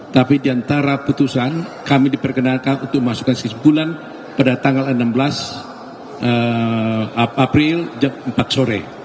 tapi di antara putusan kami diperkenalkan untuk memasukkan kesimpulan pada tanggal enam belas april jam empat sore